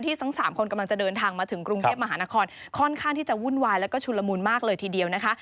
ทั้งสามคนกำลังจะเดินทางมาถึงกรุงเทพมหานครค่อนข้างที่จะวุ่นวายแล้วก็ชุนละมุนมากเลยทีเดียวนะคะ